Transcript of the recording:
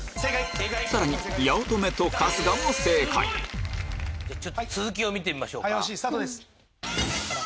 さらに八乙女と春日も正解続きを見てみましょうか。